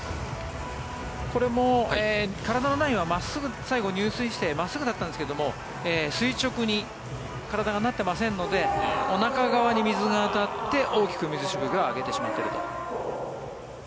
これも体のラインは最後入水して真っすぐだったんですが垂直に体がなっていませんのでおなか側に水が当たって大きく水しぶきを上げてしまっていると。